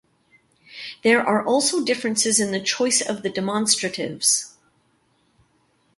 There are also differences in the choice of the demonstratives.